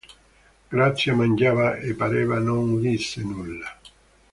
Grazia mangiava e pareva non udisse nulla.